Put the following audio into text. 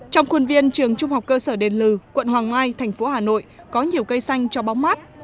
trong khuôn viên trường trung học cơ sở đền lừ quận hoàng mai tp hà nội có nhiều cây xanh cho bóng mắt